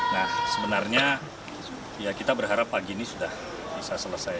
nah sebenarnya ya kita berharap pagi ini sudah bisa selesai